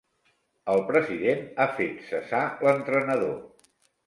El president ha fet cessar l'entrenador.